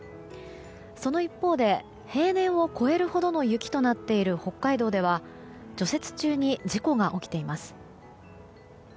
その一方で平年を超えるほどの雪となっている北海道では、除雪中に事故が起きています。